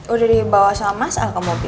udah dibawa sama mas ke mobil